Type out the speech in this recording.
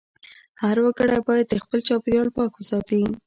هر وګړی باید خپل چاپېریال پاک وساتي.